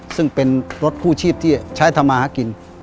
ซึ่งเป็นรถกู้ชีพที่ใช้ทำมาหากิน